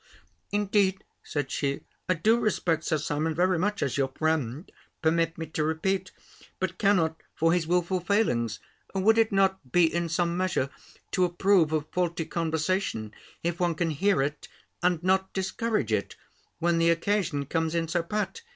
"Indeed," said she, "I do respect Sir Simon very much as your friend, permit me to repeat; but cannot for his wilful failings. Would it not be, in some measure, to approve of faulty conversation, if one can hear it, and not discourage it, when the occasion comes in so pat?